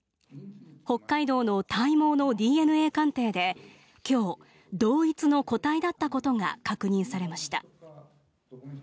北海道の体毛のＤＮＡ鑑定で今日、同一の個体だったことが確認されました。